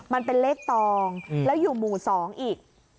มันเป็นเลขตองแล้วอยู่หมู่๒อีก